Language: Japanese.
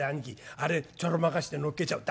あれちょろまかして乗っけちゃおう」。